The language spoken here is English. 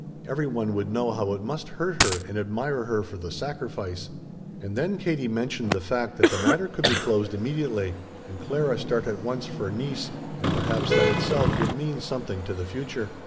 Every one would know how it must hurt her and admire her for the sacrifice. And then Katie mentioned the fact that the matter could be closed immediately and Clara start at once for Nice and perhaps that itself would "mean something to the future."